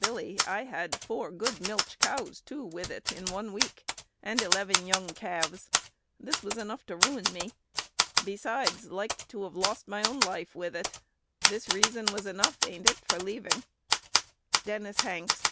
Billy, I had four good milch cows, too, with it in one week, and eleven young calves. This was enough to run me. Besides, liked to have lossed my own life with it. This reason was enough (ain't it?) for leaving." Dennis Hanks.